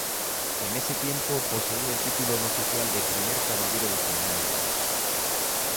En ese tiempo, poseía el título no oficial de "primer caballero" de Finlandia.